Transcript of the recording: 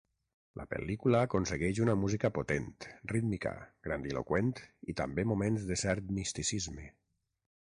La pel·lícula aconsegueix una música potent, rítmica, grandiloqüent i també moments de cert misticisme.